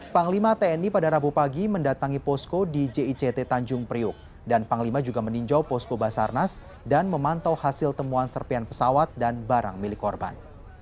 panglima tni pada rabu pagi mendatangi posko di jict tanjung priuk dan panglima juga meninjau posko basarnas dan memantau hasil temuan serpian pesawat dan barang milik korban